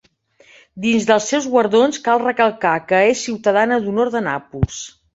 Dins dels seus guardons cal recalcar que és ciutadana d'honor de Nàpols.